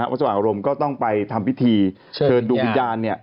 วัดสว่างอารมณ์ก็ต้องไปทำพิธีเชิญดวงวิญญาณ